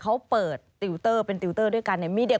เขาเปิดติวเตอร์เป็นติวเตอร์ด้วยกันเนี่ยมีเดียว